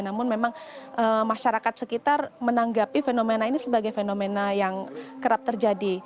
namun memang masyarakat sekitar menanggapi fenomena ini sebagai fenomena yang kerap terjadi